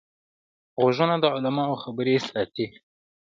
غوږونه د علماوو خبرې ساتي